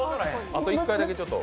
１回だけ、ちょっと。